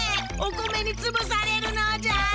お米につぶされるのじゃ！